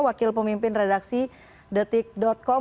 wakil pemimpin redaksi detik com